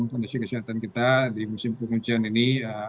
kondisi kesehatan kita di musim penghujan ini